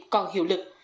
còn hiệu lực